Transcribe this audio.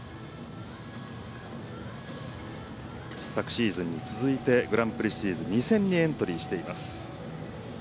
昨シーズンに続いてグランプリシリーズ２戦にエントリーしています。